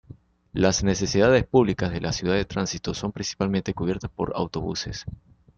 Las necesidades públicas de la ciudad de tránsito son principalmente cubiertas por autobuses.